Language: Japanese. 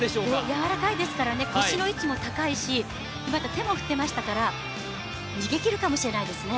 やわらかいですからね、腰の位置も高いし、また手も振っていましたから逃げきるかもしれないですね。